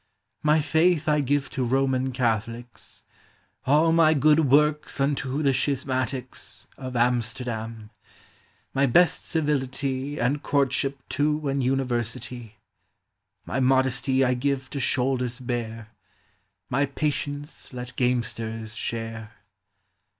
My faith I give to Roman Catholics ; All my good works unto the schismatics Of Amsterdam ; my best civility And courtship to an University ; My modesty I give to shoulders bare ; My patience let gamesters share.